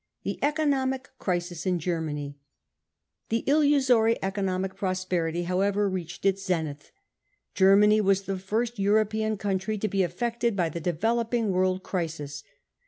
The Economic Crisis in Germany. The illusory economic prosperity however reached its zenith. Germany was the first European country to be affected by the developing world crisis.